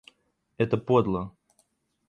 Это подло.